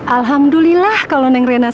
alhamdulillah kalau neng rena senang